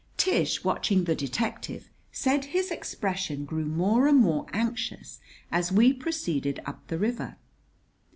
Tish, watching the detective, said his expression grew more and more anxious as we proceeded up the river.